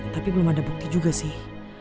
tapi belum ada bukti juga sih